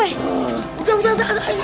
udah udah udah